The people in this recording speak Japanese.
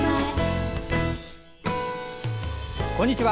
こんにちは。